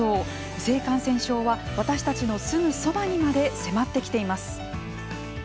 性感染症は私たちのすぐそばにまで迫ってきています。